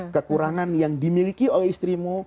kekurangan yang dimiliki oleh istrimu